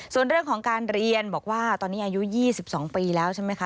ส่วนเรื่องของการเรียนบอกว่าตอนนี้อายุ๒๒ปีแล้วใช่ไหมคะ